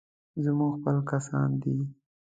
زموږ خپل کسان دي.